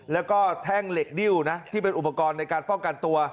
แล้วก็แท่งเหล็กดิ้วนะที่เป็นอุปกรณ์ในการป้องกันตัว